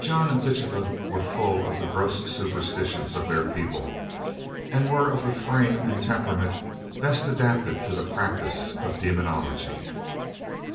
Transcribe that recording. John and Tituba were full of the gross superstitions of their people, and were of the frame and temperament best adapted to the practice of demonology.